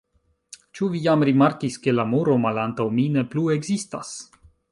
Ĉu vi jam rimarkis ke la muro malantaŭ mi ne plu ekzistas?